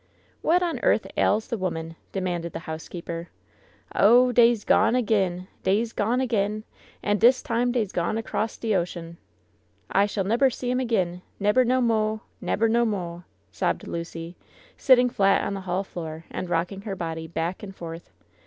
"What on earth ails the woman? demanded the housekeeper. "Oh! dey*s gone ag'in! — dey*s gone ag*in! An* dis time dey*8 gone across de ocean f I shall nebber see *em ag*in !— ^nebber no mo' !— nebber no mo' !" sobbed Lucy, sitting flat on the hall floor, and rocking her body back and forth.